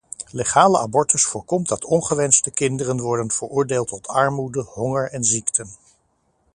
Legale abortus voorkomt dat ongewenste kinderen worden veroordeeld tot armoede, honger en ziekten.